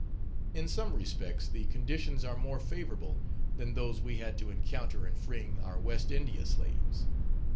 In some respects the conditions are more favourable than those we had to encounter in freeing our West India slaves.